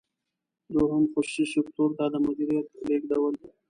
دوهم: خصوصي سکتور ته د مدیریت لیږدول.